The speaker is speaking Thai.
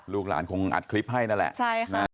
ลูกหลานคงอัดคลิปให้นั่นแหละ